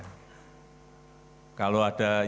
saya berikan jaminan tidak ada